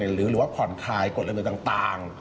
หรือว่าผ่อนคลายกฎระเบิดต่าง